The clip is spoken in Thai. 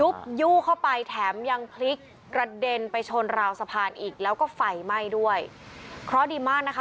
ยู่เข้าไปแถมยังพลิกกระเด็นไปชนราวสะพานอีกแล้วก็ไฟไหม้ด้วยเพราะดีมากนะคะ